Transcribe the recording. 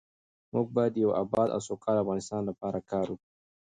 موږ باید د یو اباد او سوکاله افغانستان لپاره کار وکړو.